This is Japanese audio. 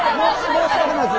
申し訳ないです。